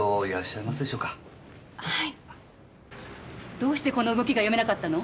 どうしてこの動きが読めなかったの？